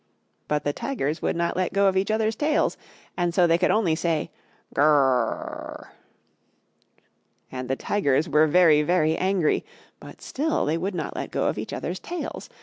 But the Tigers would not let go of each others' tails, and so they could only say "Gr r r rrrrrr!" And the Tigers were very, very angry, but still they would not let go of each others' tails.